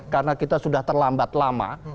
karena kita sudah terlambat lama